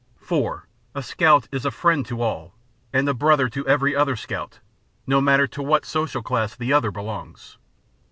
4. A Scout is a Friend to All, and a Brother to Every Other Scout, no matter to what Social Class the Other Belongs.